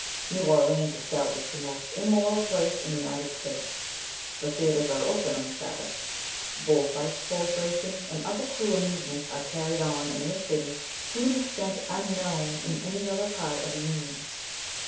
"New Orleans is doubtless the most immoral place in the United States. The theatres are open on the Sabbath. Bull fights, horse racing, and other cruel amusements are carried on in this city to an extent unknown in any other part of the Union.